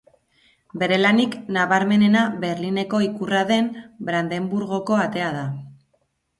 Bere lanik nabarmenena Berlineko ikurra den Brandeburgoko Atea da.